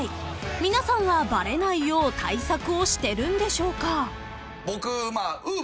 ［皆さんはバレないよう対策をしてるんでしょうか？］